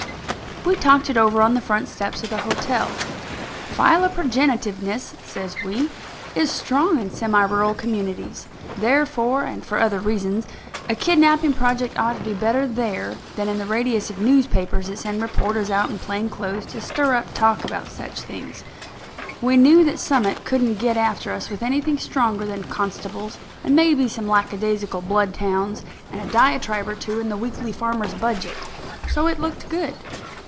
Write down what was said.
We talked it over on the front steps of the hotel. Philoprogenitiveness, says we, is strong in semi rural communities; therefore and for other reasons, a kidnapping project ought to do better there than in the radius of newspapers that send reporters out in plain clothes to stir up talk about such things. We knew that Summit couldn't get after us with anything stronger than constables and maybe some lackadaisical bloodhounds and a diatribe or two in the Weekly Farmers' Budget. So, it looked good.